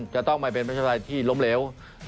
จะต้องไม่เป็นปัจจัยที่ล้มเหลว